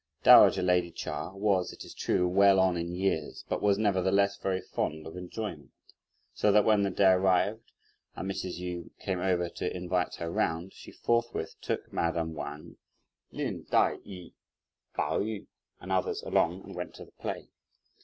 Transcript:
Dowager lady Chia was, it is true, well on in years, but was, nevertheless, very fond of enjoyment, so that when the day arrived and Mrs. Yu came over to invite her round, she forthwith took madame Wang, Lin Tai yü, Pao yü and others along and went to the play.